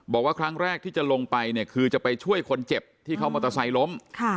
บอกว่าครั้งแรกที่จะลงไปเนี่ยคือจะไปช่วยคนเจ็บที่เขามอเตอร์ไซค์ล้ม